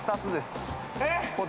えっ？